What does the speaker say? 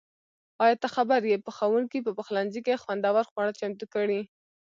ایا ته خبر یې؟ پخونکي په پخلنځي کې خوندور خواړه چمتو کړي.